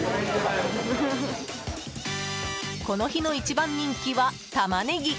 この日の一番人気はタマネギ。